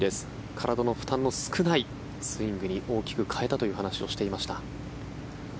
体の負担が少ないスイングに大きく変えたという話をしていました。